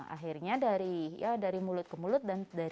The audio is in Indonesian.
akhirnya dari mulut ke mulut